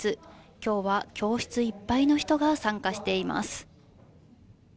きょうは教室いっぱいの人が参加しています。